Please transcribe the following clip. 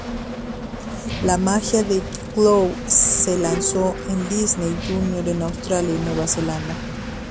La Magia de Chloe se lanzó en Disney Junior en Australia y Nueva Zelanda.